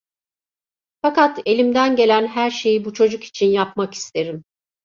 Fakat elimden gelen her şeyi bu çocuk için yapmak isterim…